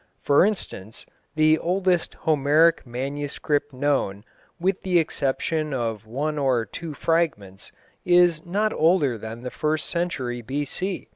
For instance, the oldest Homeric manuscript known, with the exception of one or two fragments, is not older than the first century B.C.